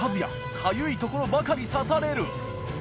かゆいところばかり刺される磴